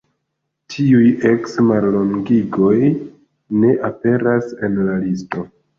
Tiuj eks-mallongigoj ne aperas en la listo.